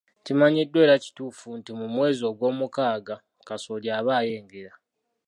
Kimanyiddwa era kituufu nti ,mu mwezi ogwomukaaga kasooli aba ayengera.